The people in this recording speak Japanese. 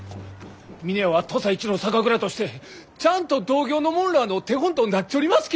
峰屋は土佐一の酒蔵としてちゃあんと同業の者らあの手本となっちょりますき！